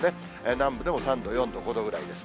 南部でも３度、４度、５度ぐらいです。